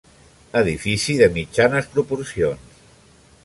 Edifici de mitjanes proporcions.